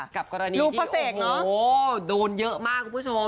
กับกรณีที่โอ้โหโหโดนเยอะมากคุณผู้ชม